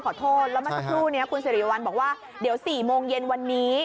ขอโทษแล้วเมื่อสักครู่นี้คุณสิริวัลบอกว่าเดี๋ยว๔โมงเย็นวันนี้